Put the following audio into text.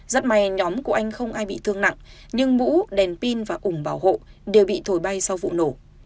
rất may nhóm của anh không ai bị thương nặng nhưng mũ đèn pin và ủng bảo hộ đều bị thổi bay sau vụ nổ